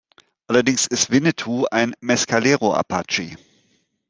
Allerdings ist Winnetou ein Mescalero-Apache.